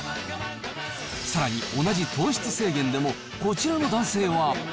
さらに、同じ糖質制限でもこちらの男性は。